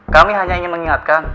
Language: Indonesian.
kami hanya ingin mengingatkan